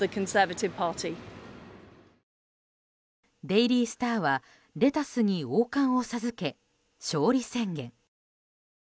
デイリースターはレタスに王冠を授け勝利宣言。